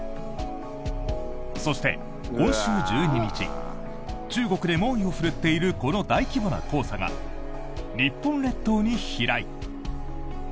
そして、今週１２日中国で猛威を振るっているこの大規模な黄砂が日本列島に飛来。